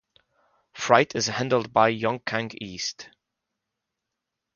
Freight is handled by Yongkang East.